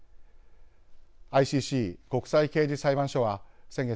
ＩＣＣ＝国際刑事裁判所は先月